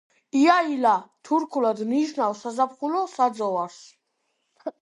იაილა თურქულად ნიშნავს საზაფხულო საძოვარს.